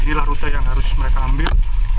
inilah rute yang harus mereka ambil